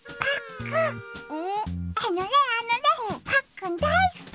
あのねあのねパックンだいすき！